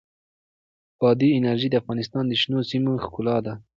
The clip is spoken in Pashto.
بادي انرژي د افغانستان د شنو سیمو ښکلا ده.